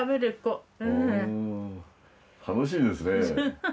楽しいですね。